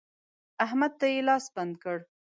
احمد ته يې لاس بند کړ.